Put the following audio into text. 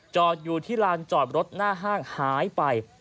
จอดอยู่ที่ลานจอดรถหน้าห้างหายไป